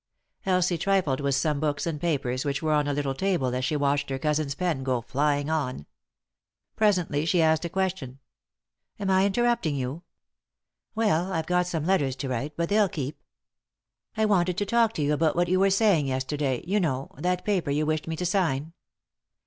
Elsie trifled with some books and papers which were on a little table as she watched her cousin's pen go flying on. Presently she asked a question :" Am I interrupting you ?" 198 1 r.i. i ..^Google THE INTERRUPTED KISS " Well — I've got some letters to write — but they'll keep." "I wanted to talk to yon about what you were saying yesterday — you know — that paper you wished me to sign."